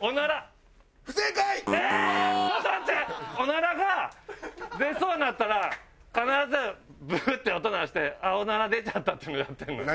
おならが出そうになったら必ずブーッて音鳴らして「あっおなら出ちゃった」っていうのやってるのよ。